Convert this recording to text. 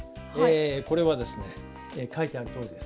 これはですね書いてあるとおりです。